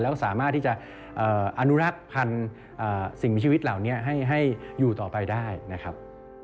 แล้วก็สามารถที่จะอนุรักษ์พันธุ์สิ่งมีชีวิตเหล่านี้ให้อยู่ต่อไปได้นะครับ